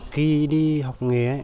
khi đi học